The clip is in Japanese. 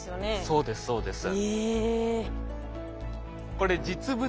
そうですそうです。えっ。